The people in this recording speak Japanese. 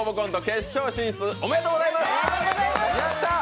決勝進出おめでとうございます！